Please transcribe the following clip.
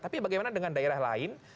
tapi bagaimana dengan daerah lain